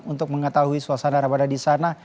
untuk mengetahui suasana ramadan di sana